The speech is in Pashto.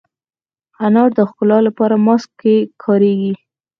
انار د ښکلا لپاره ماسک کې کارېږي.